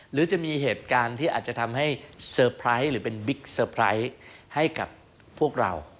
หรือจะมีเหตุการณ์ที่อาจจะทำให้เซอร์ไพรส์หรือเป็นบิ๊กเซอร์ไพรส์ให้กับพวกเรา